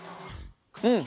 うん。